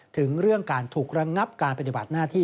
ถึงเรื่องการถูกระงับการปฏิบัติหน้าที่